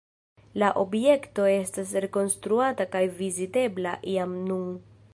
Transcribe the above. La objekto estas rekonstruata kaj vizitebla jam nun.